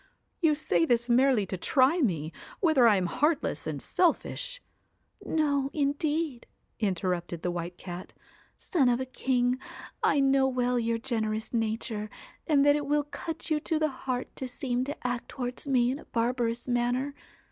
You say this merely to try me, whether I am heartless and selfish ' 'No, indeed,' interrupted the White Cat; 'son of a king, I know well your generous nature, and that it will cut you to the heart to seem to act towards me in a barbarous manner.